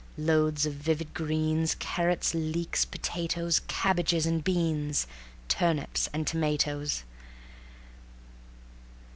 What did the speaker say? Loads of vivid greens, Carrots, leeks, potatoes, Cabbages and beans, Turnips and tomatoes.